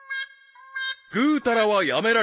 ［ぐうたらはやめられない］